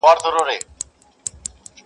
نه استاد وي نه منطق نه هندسه وي -